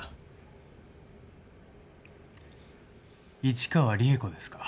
市川利枝子ですか？